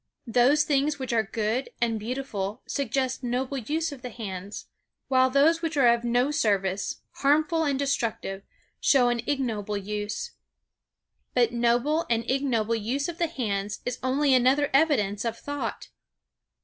Those things which are good and beautiful suggest noble use of the hands; while those which are of no service, harmful and destructive, show an ignoble use. But noble and ignoble use of the hands is only another evidence of thought.